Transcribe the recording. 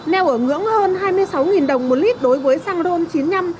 neo ở ngưỡng hơn hai mươi sáu đồng một lít đối với xăng ron chín mươi năm